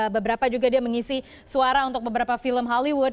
beberapa juga dia mengisi suara untuk beberapa film hollywood